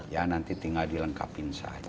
ya nanti tinggal dilengkapin saja